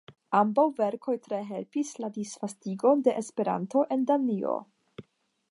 Ambaŭ verkoj tre helpis la disvastigon de Esperanto en Danio.